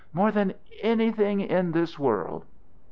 More than anything in this world!"